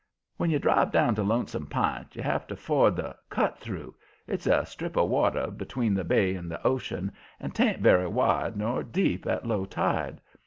When you drive down to Lonesome P'int you have to ford the "Cut Through." It's a strip of water between the bay and the ocean, and 'tain't very wide nor deep at low tide.